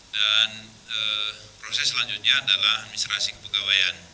dan proses selanjutnya adalah administrasi kepegawaian